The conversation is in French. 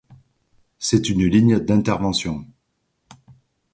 C'est une ligne d'intervention.